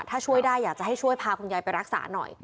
ถ้าช่วยได้อยากจะให้ช่วยพาคุณยายไปรักษาหน่อย